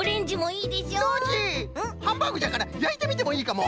ハンバーグじゃからやいてみてもいいかも。